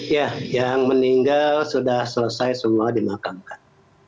ya yang meninggal sudah selesai semua dimakamkan